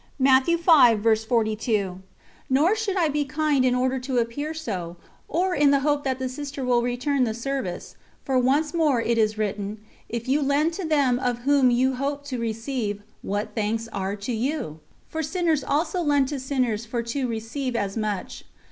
" Nor should I be kind in order to appear so, or in the hope that the Sister will return the service, for once more it is written: "If you lend to them of whom you hope to receive, what thanks are to you? For sinners also lend to sinners for to receive as much.